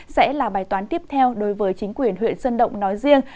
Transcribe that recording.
sẽ là bài toán tiếp theo đối với chính quyền huyện sơn động nói riêng